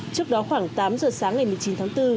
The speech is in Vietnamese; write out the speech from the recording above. trước đó khoảng tám giờ sáng ngày một mươi chín tháng bốn